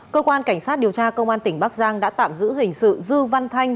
cơ quan cảnh sát điều tra công an tỉnh bắc giang đã tạm giữ hình sự dư văn thanh